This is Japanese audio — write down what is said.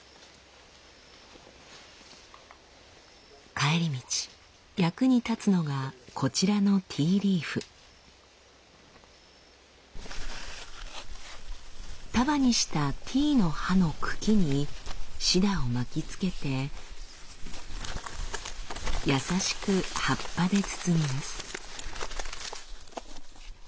帰り道役に立つのがこちらの束にしたティーの葉の茎にシダを巻きつけて優しく葉っぱで包みます。